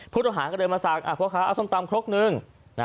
ผู้ต่อหาก็เลยมาสั่งอ่ะพ่อค้าอ่ะส้มตำครบหนึ่งน่ะ